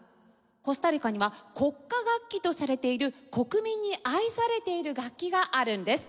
コスタリカには国家楽器とされている国民に愛されている楽器があるんです。